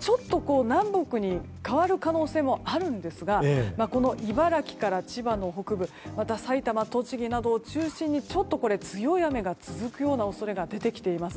ちょっと南北に変わる可能性もあるんですが茨城から千葉の北部また埼玉、栃木などを中心にちょっと強い雨が続くような恐れが出てきています。